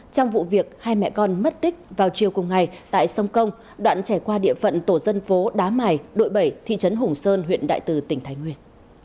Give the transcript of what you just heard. trong vụ việc hai mẹ con mất tích vào chiều cùng ngày tại sông công đoạn chảy qua địa phận tổ dân phố đá mài đội bảy thị trấn hùng sơn huyện đại từ tỉnh thái nguyên